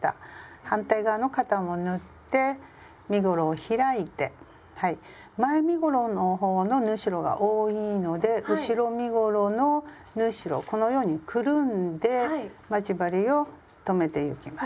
反対側の肩も縫って身ごろを開いて前身ごろの方の縫い代が多いので後ろ身ごろの縫い代をこのようにくるんで待ち針を留めてゆきます。